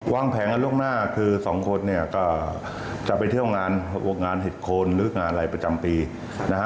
วางแผนกันล่วงหน้าคือสองคนเนี่ยก็จะไปเที่ยวงานเห็ดโคนหรืองานอะไรประจำปีนะฮะ